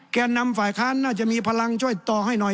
แก่นำฝ่ายค้านน่าจะมีพลังช่วยต่อให้หน่อย